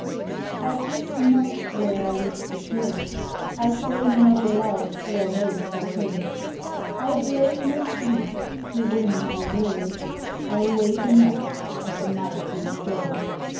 I kisse not where I wish to kill ; T f eigne not love where most I hate ; I breake no sleepe to winne my will ; I wayte not at the mightie's gate.